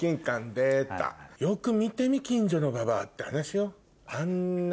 よく見てみ近所のババアって話よ。